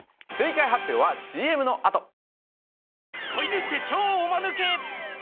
正解発表はＣＭのあと